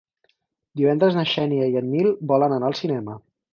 Divendres na Xènia i en Nil volen anar al cinema.